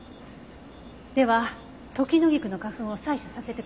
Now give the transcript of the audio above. ではトキノギクの花粉を採取させてください。